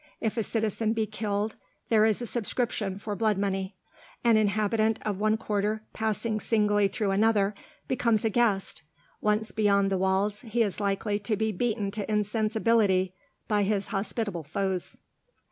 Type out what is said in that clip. If a citizen be killed, there is a subscription for blood money. An inhabitant of one quarter, passing singly through another, becomes a guest; once beyond the walls, he is likely to be beaten to insensibility by his hospitable foes.